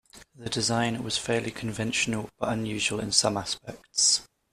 The design was fairly conventional but unusual in some aspects.